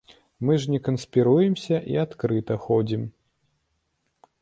Мы ж не канспіруемся і адкрыта ходзім.